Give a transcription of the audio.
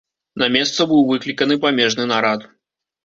На месца быў выкліканы памежны нарад.